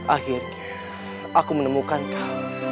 akhirnya aku menemukan kau